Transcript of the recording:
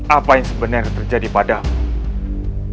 apa yang sebenarnya terjadi padamu